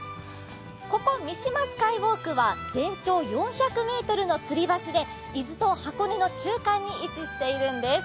ここ、三島スカイウォークは全長４００ｍのつり橋で伊豆と箱根の中間に位置しているんです。